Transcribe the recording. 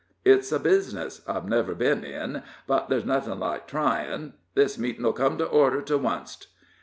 It's a bizness I've never bin in, but ther's nothin' like tryin'. This meetin' 'll cum to order to wunst."